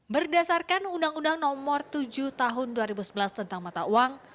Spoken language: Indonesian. berdasarkan undang undang nomor tujuh tahun dua ribu sebelas tentang mata uang